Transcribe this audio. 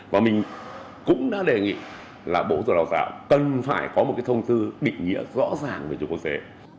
và mình cũng đã đề nghị là bộ giáo dục cần phải có một cái thông thư định nghĩa rõ ràng về trường quốc tế